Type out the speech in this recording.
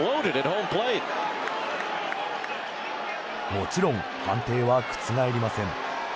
もちろん判定は覆りません。